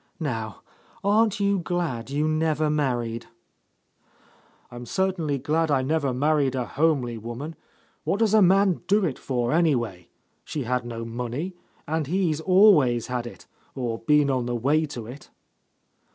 Now aren't you glad you never married?" "I'm certainly glad I never married a homely woman. What does a man do it for, anyway? She had no money, — and he's always had it, or been on the way to it."